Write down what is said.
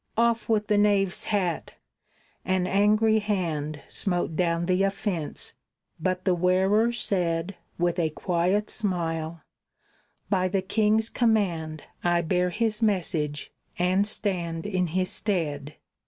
"Off with the knave's hat!" An angry hand Smote down the offence; but the wearer said, With a quiet smile, "By the king's command I bear his message and stand in his stead."